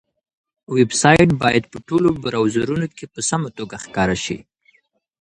ویب سایټ باید په ټولو براوزرونو کې په سمه توګه ښکاره شي.